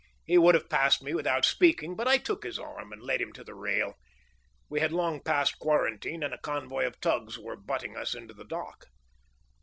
He would have passed me without speaking, but I took his arm and led him to the rail. We had long passed quarantine and a convoy of tugs were butting us into the dock.